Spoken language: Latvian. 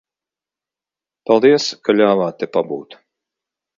Paldies, ka ļāvāt te pabūt.